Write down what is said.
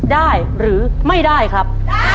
ได้หรือไม่ได้ครับ